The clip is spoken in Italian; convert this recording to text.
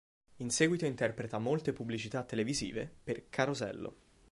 In seguito interpreta molte pubblicità televisive per "Carosello".